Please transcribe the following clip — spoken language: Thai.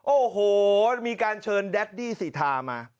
โอ้โหมีการเชิญแดดดี้สีทามา